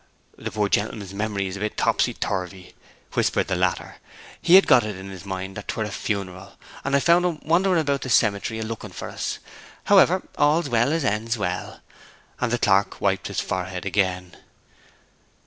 'The poor gentleman's memory is a bit topsy turvy,' whispered the latter. 'He had got it in his mind that 'twere a funeral, and I found him wandering about the cemetery a looking for us. However, all's well as ends well.' And the clerk wiped his forehead again.